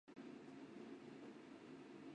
柳叶鳞花草为爵床科鳞花草属下的一个种。